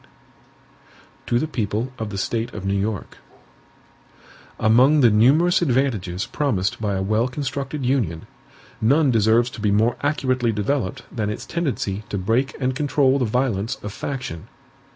MADISON To the People of the State of New York: AMONG the numerous advantages promised by a well constructed Union, none deserves to be more accurately developed than its tendency to break and control the violence of faction.